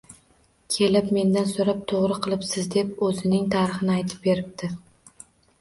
Kelib, mendan so`rab to`g`ri qilibsiz deb, o`zining tarixini aytib beribdi